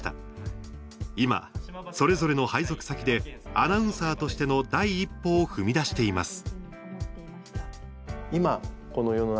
今、それぞれの配属先でアナウンサーとしての第一歩を踏み出しています。